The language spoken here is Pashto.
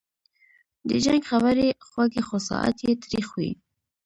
د جنګ خبري خوږې خو ساعت یې تریخ وي